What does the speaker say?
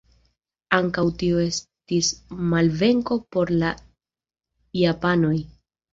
Ankaŭ tio estis malvenko por la japanoj.